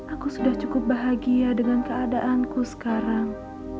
aku sudah cukup bahagia dengan keadaanku sekarang